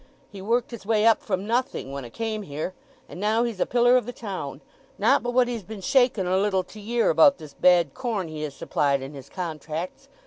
He worked his way up from nothing when 'a came here; and now he's a pillar of the town. Not but what he's been shaken a little to year about this bad corn he has supplied in his contracts.